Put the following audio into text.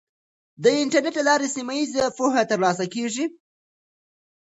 د انټرنیټ له لارې سیمه ییزه پوهه ترلاسه کیږي.